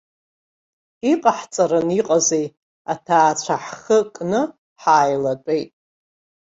Иҟаҳҵаран иҟази, аҭаацәа ҳхы кны ҳааилатәеит.